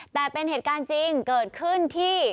แต่เป็นเหตุการณ์จริงเกิดขึ้นที่